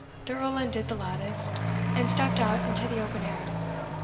The Earl undid the lattice, and stepped out into the open air.